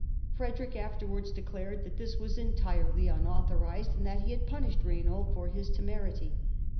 Frederick afterwards declared that this was entirely unauthorised and that he had punished Raynald for his temerity.